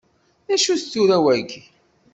D acu-t tura wagi?